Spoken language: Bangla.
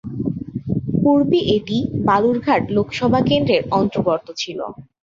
পূর্বে এটি বালুরঘাট লোকসভা কেন্দ্রের অন্তর্গত ছিল।